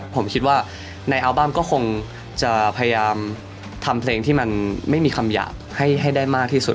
ผมคิดว่าในอัลบั้มก็คงจะพยายามทำเพลงที่มันไม่มีคำหยาบให้ได้มากที่สุด